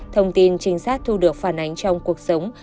thông tin trinh sát thu được phản ánh trong cuộc sống